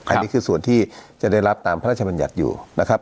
อันนี้คือส่วนที่จะได้รับตามพระราชบัญญัติอยู่นะครับ